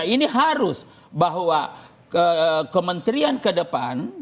ini harus bahwa kementerian ke depan